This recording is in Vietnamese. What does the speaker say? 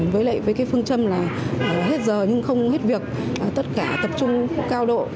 với lại với cái phương châm là hết giờ nhưng không hết việc tất cả tập trung cao độ